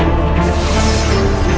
aku tidak mau mati